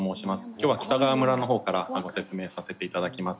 今日は北川村のほうから説明させていただきます。